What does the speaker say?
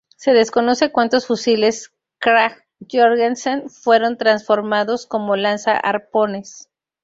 Se desconoce cuantos fusiles Krag-Jørgensen fueron transformados como lanza-arpones.